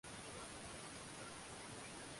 moja ni duma ya Urusi yenye wabunge na Halmashauri ya